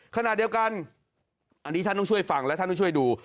ขณะเดียวกันอันนี้ท่านต้องช่วยฟังและท่านต้องช่วยดู